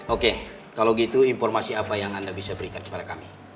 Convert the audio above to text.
oke kalau gitu informasi apa yang anda bisa berikan kepada kami